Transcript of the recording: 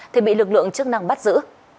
thì bị lực lượng chức năng bắt giữ